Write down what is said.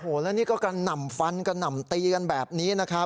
โอ้โหแล้วนี่ก็กระหน่ำฟันกระหน่ำตีกันแบบนี้นะครับ